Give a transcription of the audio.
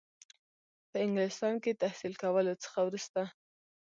په انګلستان کې تحصیل کولو څخه وروسته.